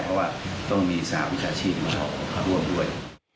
เพราะว่าต้องมีสหวิชาชีพมาชอบร่วมด้วย